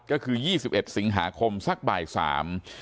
ก็คือ๒๑สิงหาคมสักบ่ายสาม